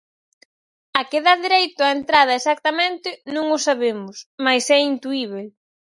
A que dá dereito a entrada exactamente non o sabemos, mais é intuíbel.